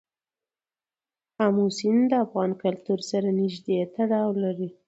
آمو سیند د افغان کلتور سره نږدې تړاو لري.